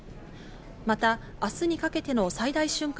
また、明日にかけての最大瞬間